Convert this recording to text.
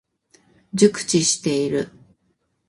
熟知している。